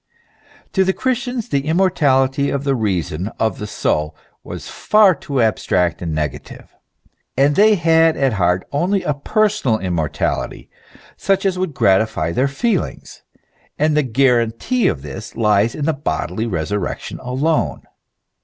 To the Christians the immortality of the reason, of the soul, was far too abstract and negative ; they had at heart only a personal immortality, such as would gratify their feel ings ; and the guarantee of this lies in a bodily resurrection alone.